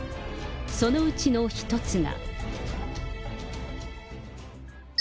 そのうちの１つが。